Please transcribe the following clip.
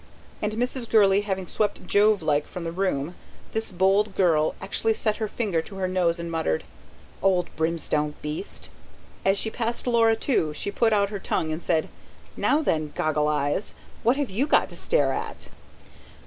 And Mrs. Gurley having swept Jove like from the room, this bold girl actually set her finger to her nose and muttered: "Old Brimstone Beast!" As she passed Laura, too, she put out her tongue and said: "Now then, goggle eyes, what have you got to stare at?"